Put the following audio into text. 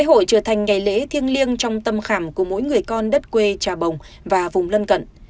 lễ hội trở thành ngày lễ thiêng liêng trong tâm khảm của mỗi người con đất quê trà bồng và vùng lân cận